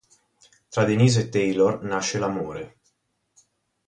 Tra Denise e Taylor nasce l'amore.